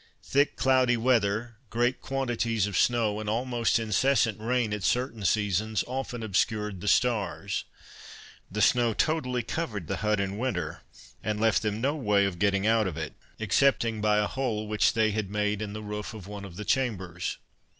Thick cloudy weather, great quantities of snow, and almost incessant rain at certain seasons, often obscured the stars. The snow totally covered the hut in winter, and left them no way of getting out of it, excepting by a hole which they had made in the roof of one of the chambers.